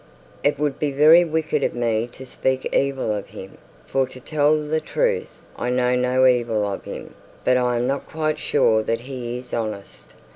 'It would be very wicked of me to speak evil of him, for to tell the truth I know no evil of him; but I am not quite sure that he is honest.